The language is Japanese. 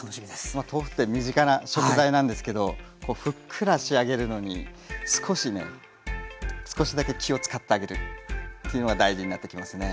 まあ豆腐って身近な食材なんですけどこうふっくら仕上げるのに少しね少しだけ気を遣ってあげるっていうのが大事になってきますね。